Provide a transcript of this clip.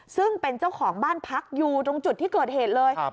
ซึ่งเป็นเจ้าของบ้านพักอยู่ตรงจุดที่เกิดเหตุเลย